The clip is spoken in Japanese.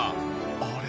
あれ？